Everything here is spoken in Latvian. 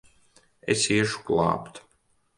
Es iešu glābt!